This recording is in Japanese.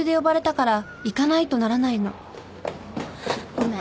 ごめん。